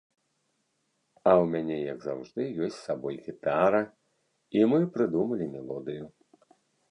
А ў мяне як заўжды ёсць з сабой гітара, і мы прыдумалі мелодыю.